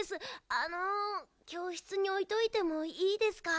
あのきょうしつにおいといてもいいですか？